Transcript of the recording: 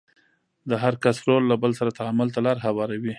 د هر کس رول له بل سره تعامل ته لار هواروي.